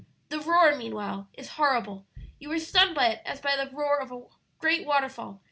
The roar, meanwhile, is horrible. You are stunned by it as by the roar of a great waterfall.